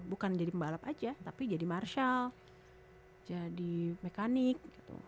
bukan jadi pembalap aja tapi jadi marshall jadi mekanik gitu